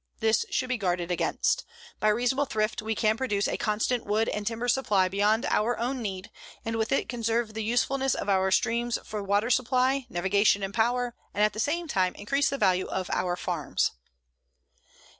This should be guarded against. By reasonable thrift we can produce a constant wood and timber supply beyond our own need, and with it conserve the usefulness of our streams for water supply, navigation and power, and at the same time increase the value of our farms.